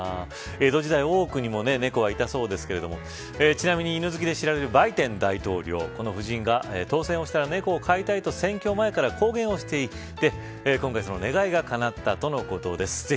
江戸時代、大奥にも猫がいたそうですけどちなみに犬好きで知られるバイデン大統領この夫人が当選したら猫を飼いたいと選挙前から公言していて今回、その願いがかなったとのことです。